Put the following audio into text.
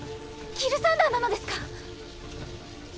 ギルサンダーなのですか？